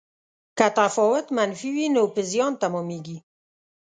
که تفاوت منفي وي نو په زیان تمامیږي.